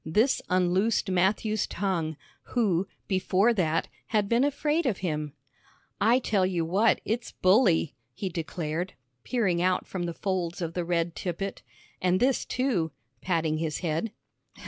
This unloosed Matthew's tongue, who, before that, had been afraid of him. "I tell you what, it's bully!" he declared, peering out from the folds of the red tippet; "an' this, too," patting his head.